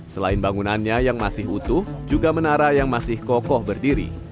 selain bangunannya yang masih utuh juga menara yang masih kokoh berdiri